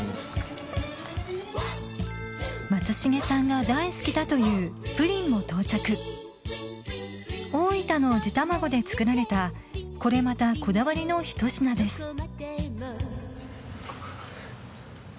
松重さんが大好きだというプリンも到着大分の地卵で作られたこれまたこだわりのひと品です